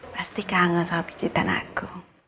pasti kangen sama cicitan aku